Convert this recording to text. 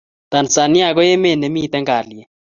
Tanzania ko met ne miten kaliet